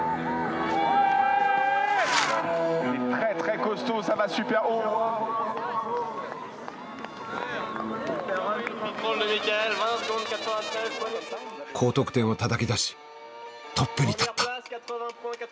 高得点をたたき出しトップに立った。